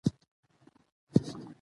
ازادي راډیو د بیکاري ستونزې راپور کړي.